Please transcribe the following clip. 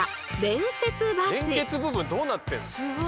連結部分どうなってんの？